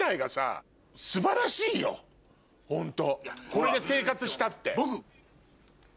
これで生活したって。